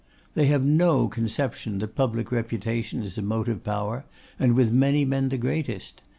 They have no conception that public reputation is a motive power, and with many men the greatest.